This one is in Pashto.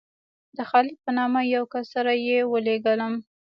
د خالد په نامه یو کس سره یې ولېږلم.